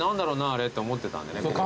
あれ」と思ってたんでね。